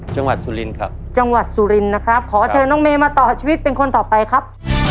สุรินครับจังหวัดสุรินนะครับขอเชิญน้องเมย์มาต่อชีวิตเป็นคนต่อไปครับ